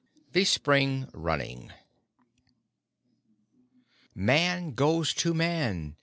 THE SPRING RUNNING Man goes to Man!